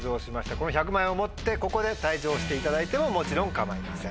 この１００万円を持ってここで退場していただいてももちろん構いません。